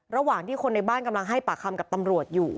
ระหว่างที่คนในบ้านกำลังให้ปากคำกับตำรวจอยู่